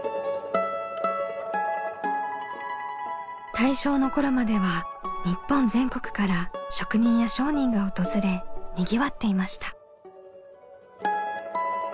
大正の頃までは日本全国から職人や商人が訪れにぎわっていました。